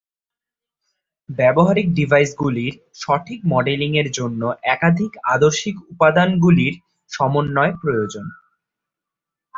ব্যবহারিক ডিভাইসগুলির সঠিক মডেলিংয়ের জন্য একাধিক আদর্শিক উপাদানগুলির সমন্বয় প্রয়োজন।